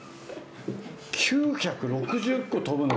９６０個飛ぶの？